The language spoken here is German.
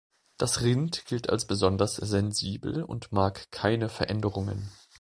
Das Rind gilt als besonders sensibel und mag keine Veränderungen.